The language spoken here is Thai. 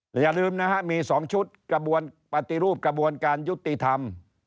แต่อย่าลืมนะฮะมี๒ชุดกระบวนปฏิรูปกระบวนการยุติธรรม